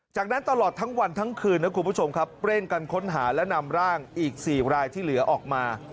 จากนั้นตลอดทั้งวันทั้งคืนนะคุณผู้ชมครับเร่งกันค้นหาและนำร่างอีก๔รายที่เหลือออกมา